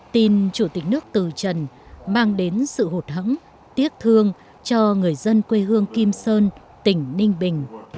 tin chủ tịch nước từ trần mang đến sự hụt hẫng tiếc thương cho người dân quê hương kim sơn tỉnh ninh bình